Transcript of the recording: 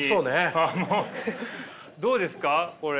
どうですかこれ。